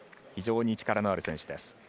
非常に力のある選手です。